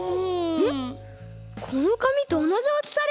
このかみとおなじおおきさです！